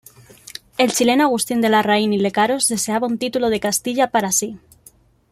El chileno Agustín de Larraín y Lecaros deseaba un título de Castilla para sí.